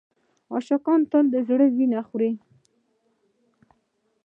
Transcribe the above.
عاشقان تل د زړه وینه خوري.